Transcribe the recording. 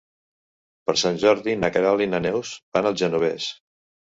Per Sant Jordi na Queralt i na Neus van al Genovés.